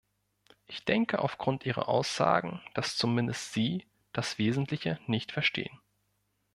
Ich denke aufgrund Ihrer Aussagen, dass zumindest Sie das Wesentliche nicht verstehen.